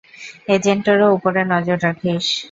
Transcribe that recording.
এজেন্টেরও উপরে নজর রাখিস।